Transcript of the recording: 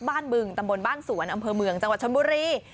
บึงตำบลบ้านสวนอำเภอเมืองจังหวัดชนบุรี